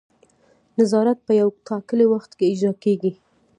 نظارت په یو ټاکلي وخت کې اجرا کیږي.